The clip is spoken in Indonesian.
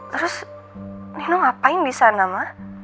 terus nino ngapain disana mah